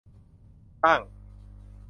ตั้ง